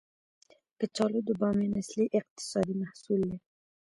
کچالو د بامیان اصلي اقتصادي محصول دی